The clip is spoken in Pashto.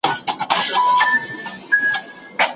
هر آواز یې د بلال دی هر ګوزار یې د علي دی